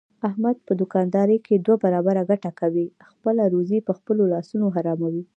احمد په دوکاندارۍ کې دوه برابره ګټه کوي، خپله روزي په خپلو لاسونو حراموي.